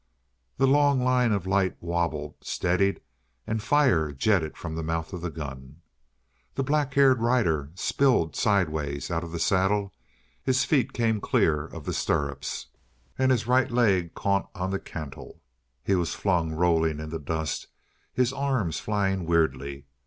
That long line of light wobbled, steadied, and fire jetted from the mouth of the gun. The black haired rider spilled sidewise out of the saddle; his feet came clear of the stirrups, and his right leg caught on the cantle. He was flung rolling in the dust, his arms flying weirdly.